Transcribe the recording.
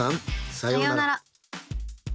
さようなら。